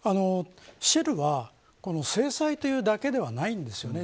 シェルは制裁というだけではないんです。